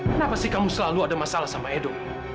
kenapa sih kamu selalu ada masalah sama edo